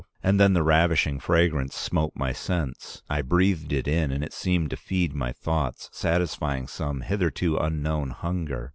And then the ravishing fragrance smote my sense. I breathed it in and it seemed to feed my thoughts, satisfying some hitherto unknown hunger.